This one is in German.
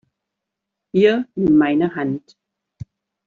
Hier, nimm meine Hand!